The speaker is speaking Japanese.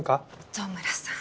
糸村さん。